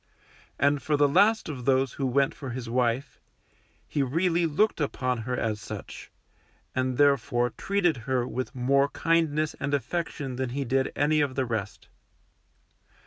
And for the last of those who went for his wife, he really looked upon her as such, and therefore treated her with more kindness and affection than he did any of the rest.